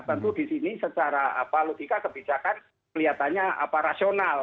tentu di sini secara logika kebijakan kelihatannya rasional